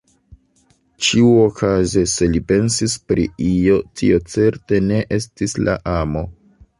Ĉiuokaze, se li pensis pri io, tio certe ne estis la amo.